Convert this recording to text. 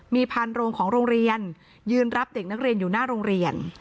มีพันโรงของโรงเรียนยืนรับเด็กนักเรียนอยู่หน้าโรงเรียน